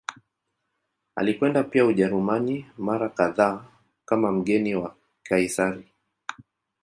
Alikwenda pia Ujerumani mara kadhaa kama mgeni wa Kaisari.